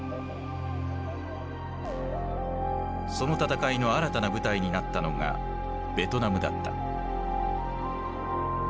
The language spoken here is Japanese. その戦いの新たな舞台になったのがベトナムだった。